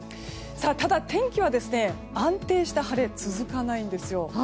ただ、天気は安定した晴れが続かないんですよ。